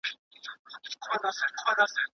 ¬ څه راوړه، څه به يوسې.